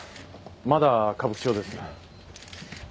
まだ歌舞伎町です。